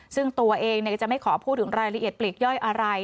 ซึ่งตัวเองก็จะไม่ขอพูดถึงรายละเอียดปลีกย่อยอะไร